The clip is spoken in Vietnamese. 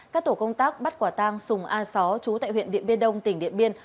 các tổ công tác bắt quả tang sùng a sáu trú tại huyện điện biên đông tỉnh điện biên